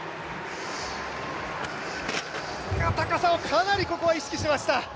高さをかなりここは意識していました。